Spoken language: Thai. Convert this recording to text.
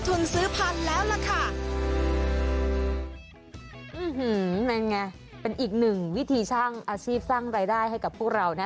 นั่นไงเป็นอีกหนึ่งวิธีสร้างอาชีพสร้างรายได้ให้กับพวกเรานะ